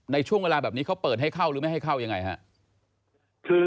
ในช่วงเวลาแบบนี้เขาเปิดให้เข้าหรือไม่ให้เข้ายังไงครับ